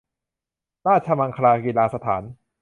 ราชมังคลากีฬาสถาน